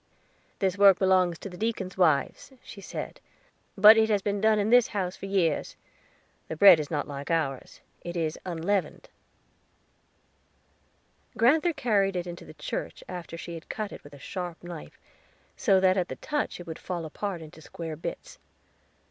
"This work belongs to the deacons' wives," she said; "but it has been done in this house for years. The bread is not like ours it is unleavened." Grand'ther carried it into the church after she had cut it with a sharp knife so that at the touch it would fall apart into square bits.